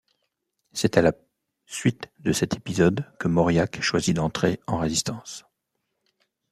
C’est à la suite de cet épisode que Mauriac choisit d’entrer en résistance.